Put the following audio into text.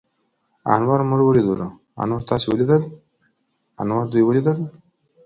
انور موږ وليدلو. انور تاسې وليدليٙ؟ انور دوی وليدل.